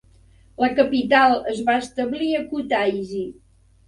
La capital es va establir a Kutaisi.